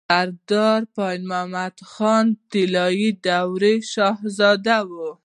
سردار پاينده محمد خان طلايي دورې شهزاده وو